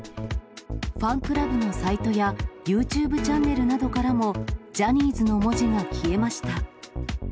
ファンクラブのサイトや、ＹｏｕＴｕｂｅチャンネルなどからもジャニーズの文字が消えました。